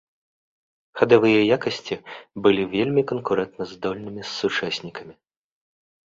Хадавыя якасці былі вельмі канкурэнтаздольнымі з сучаснікамі.